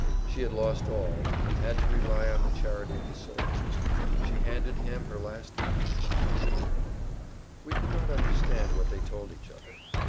She had lost all and had to rely on the charity of the soldiers. She handed him her last money, but he returned it. We could not understand what they told each other.